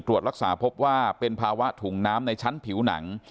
ตรวจรักษาพบว่าเป็นภาวะถุงน้ำในชั้นผิวหนัง